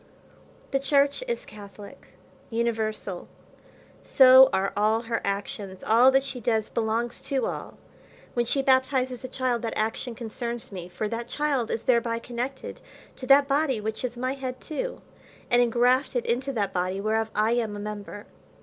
The church is Catholic, universal, so are all her actions; all that she does belongs to all. When she baptizes a child, that action concerns me; for that child is thereby connected to that body which is my head too, and ingrafted[Pg 108] into that body whereof I am a member.